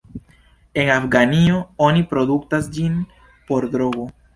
En Afganio oni produktas ĝin por drogo.